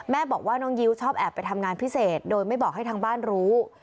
บอกว่าน้องยิ้วชอบแอบไปทำงานพิเศษโดยไม่บอกให้ทางบ้านรู้